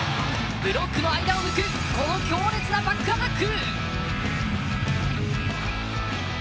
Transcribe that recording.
ブロックの間を抜く強烈なバックアタック。